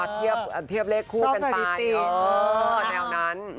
เทียบเลขคู่เป็นปานแนวนั้น